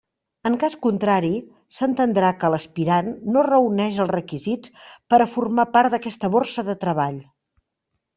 En cas contrari, s'entendrà que l'aspirant no reuneix els requisits per a formar part d'aquesta borsa de treball.